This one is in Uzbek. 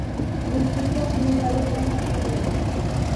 Mechnikov medali bilan taqdirlandi